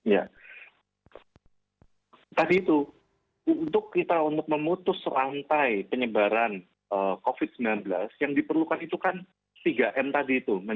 ya tadi itu untuk kita untuk memutus rantai penyebaran covid sembilan belas yang diperlukan itu kan tiga m tadi itu